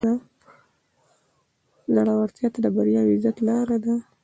زړورتیا د بریا او عزت لاره ده.